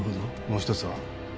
もう１つは？